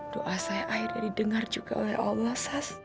doa saya ayahnya didengar juga oleh allah sas